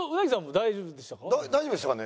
大丈夫でしたかね？